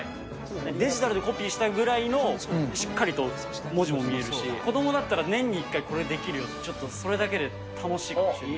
デジタルでコピーしたぐらいのしっかりと文字も見えるし、子どもだったら、年に１回これできるよって、ちょっとそれだけで楽しいかもしれない。